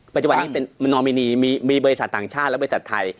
ปัจจุบันนี้เป็นนอมินีมีบริษัทต่างชาติและบริษัทไทย